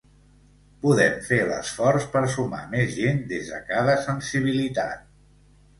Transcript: Podem fer l’esforç per sumar més gent des de cada sensibilitat.